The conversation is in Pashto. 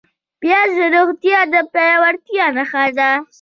پیاز د روغتیا د پیاوړتیا نښه ده